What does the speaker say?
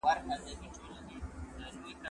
زه اوس سیر کوم!.